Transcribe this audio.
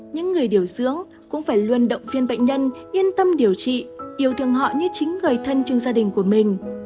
những người điều dưỡng cũng phải luôn động viên bệnh nhân yên tâm điều trị yêu thương họ như chính người thân trong gia đình của mình